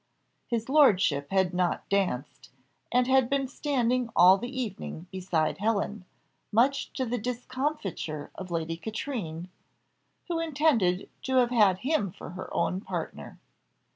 His lordship had not danced, and had been standing all the evening beside Helen, much to the discomfiture of Lady Katrine, who intended to have had him for her own partner.